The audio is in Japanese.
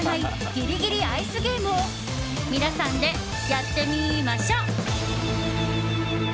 ギリギリアイスゲームを皆さんでやってみましょう！